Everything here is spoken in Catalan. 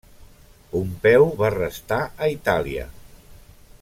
Pompeu va restar a Itàlia.